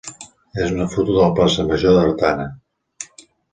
és una foto de la plaça major d'Artana.